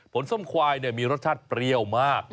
ส้มควายมีรสชาติเปรี้ยวมาก